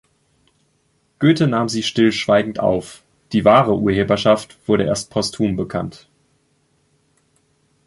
Goethe nahm sie stillschweigend auf, die wahre Urheberschaft wurde erst posthum bekannt.